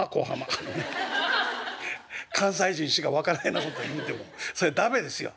「あのね関西人しか分からへんようなこと言うてもそれ駄目ですよねっ。